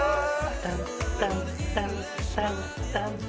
タンタンタンタン